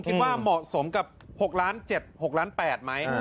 คิดว่าเหมาะสมกับหกล้านเจ็บหกล้านแปดไหม